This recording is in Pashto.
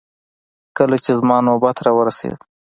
کله چې زما نوبت راورسېد.